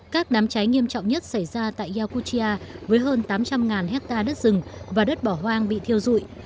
các đám cháy nghiêm trọng nhất xảy ra tại yakutia với hơn tám trăm linh hectare đất rừng và đất bỏ hoang bị thiêu dụi